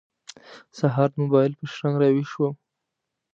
سهار د موبایل په شرنګ راوېښ شوم.